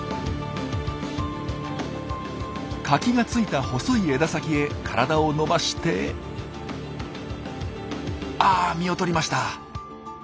カキがついた細い枝先へ体を伸ばしてあ実をとりました。